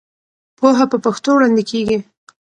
پوهه په پښتو وړاندې کېږي.